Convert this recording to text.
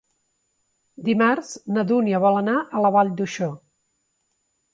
Dimarts na Dúnia vol anar a la Vall d'Uixó.